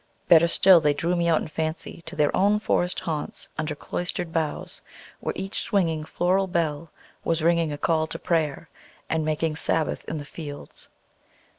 Better still, they drew me out, in fancy, to their own forest haunts under "cloistered boughs," where each swinging "floral bell" was ringing "a call to prayer," and making "Sabbath in the fields."